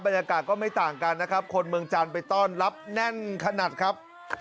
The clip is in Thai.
บรรยากาศก็ไม่ต่างกันนะครับคนเมืองจันทร์ไปต้อนรับแน่นขนาดครับ